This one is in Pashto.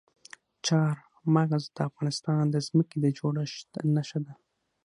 چار مغز د افغانستان د ځمکې د جوړښت نښه ده.